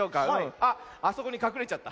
あっあそこにかくれちゃった。